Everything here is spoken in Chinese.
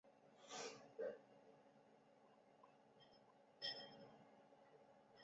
斜带圆沫蝉为尖胸沫蝉科圆沫蝉属下的一个种。